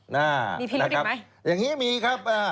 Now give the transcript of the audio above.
มีพิลุริมไหมอย่างนี้มีครับ